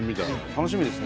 楽しみです。